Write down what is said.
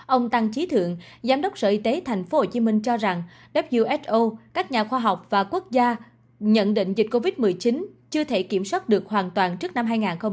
ông tăng trí thượng giám đốc sở y tế tp hcm cho rằng who các nhà khoa học và quốc gia nhận định dịch covid một mươi chín chưa thể kiểm soát được hoàn toàn trước năm hai nghìn hai mươi